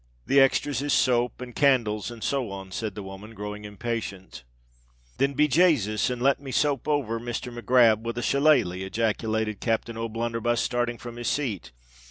"The extras is soap, and candles, and so on," said the woman, growing impatient. "Then, be Jasus! and just let me soap over Mr. Mac Grab with a shillaleh!" ejaculated Captain O'Blunderbuss, starting from his seat.